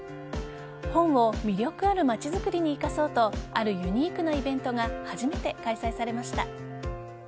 本を魅力ある街づくりに生かそうとあるユニークなイベントが初めて開催されました。